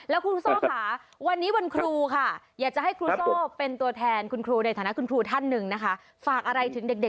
แล้วคุณทรโส่นะคะ